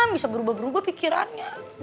bisa berubah berubah pikirannya